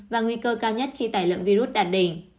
và nguy cơ cao nhất khi tài lượng virus đạt đỉnh